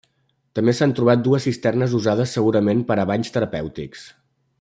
També s'han trobat dues cisternes usades segurament per a banys terapèutics.